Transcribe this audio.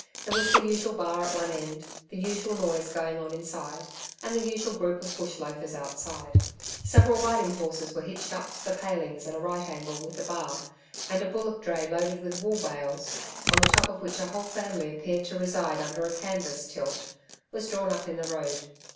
There was the usual bar at one end, the usual noise going on inside, and the usual groups of bush loafers outside. Several riding horses were hitched up to the palings at a right angle with the Bar, and a bullock dray loaded with wool bales on the top of which a whole family appeared to reside under a canvas tilt was drawn up in the road.